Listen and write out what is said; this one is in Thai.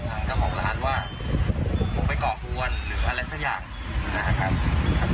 ทางเจ้าของร้านว่าผมไปก่อกวนหรืออะไรสักอย่างนะครับ